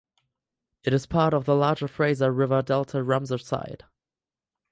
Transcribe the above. It is part of the larger Fraser River Delta Ramsar Site.